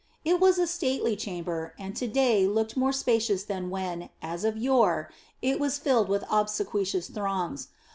It was a stately chamber, and to day looked more spacious than when, as of yore, it was filled with obsequious throngs.